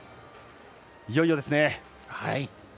いよいよですね。